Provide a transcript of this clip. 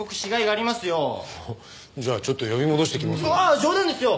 あっ冗談ですよ！